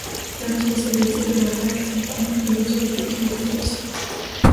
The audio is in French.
La responsabilité de leurs actes incombe aux autorités qui les contresignent.